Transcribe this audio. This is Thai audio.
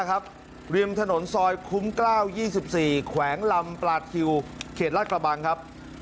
ครับริมถนนซอยคุ้มกล้าวยี่สิบสี่แขวงลำปลาทิวเขตราชกระบังครับ